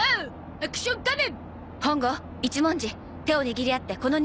アクション仮面。